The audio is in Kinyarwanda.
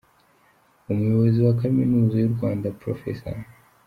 Umuyobozi wa Kaminuza y’u Rwanda, Prof.